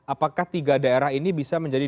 apakah tiga daerah ini bisa menjadi